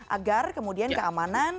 agar kemudian keamanan